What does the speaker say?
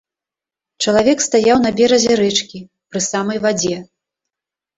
Чалавек стаяў на беразе рэчкі, пры самай вадзе.